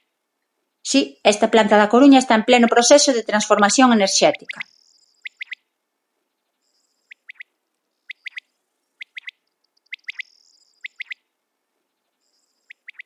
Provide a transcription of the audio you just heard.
Si, esta planta da Coruña está en pleno proceso de transformación enerxética.